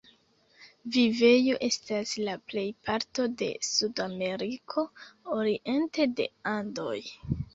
Vivejo estas la plejparto de Sud-Ameriko oriente de Andoj.